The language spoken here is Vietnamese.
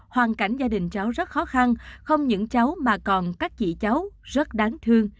hoàn cảnh gia đình cháu rất khó khăn không những cháu mà còn các chị cháu rất đáng thương